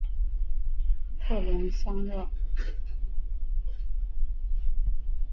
特龙桑热。